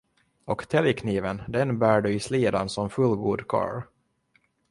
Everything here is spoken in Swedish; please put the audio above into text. Och täljkniven den bär du i slidan som fullgod karl.